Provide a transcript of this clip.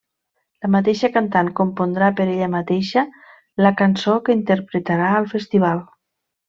La mateixa cantant compondrà per ella mateixa la cançó que interpretarà al Festival.